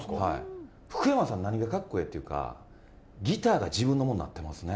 福山さん、なにがかっこええっていうか、ギターが自分のもんになってますね。